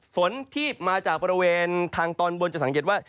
ฝนที่มาจากบริเวณทางตอนบนจะสังเกตว่า